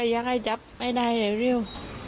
อยากให้จับไม่ได้เลยเร็ว